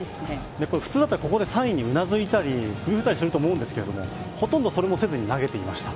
普通だったら、ここでサインにうなずいたりすると思うんですけど、ほとんどそれもせずに投げていました。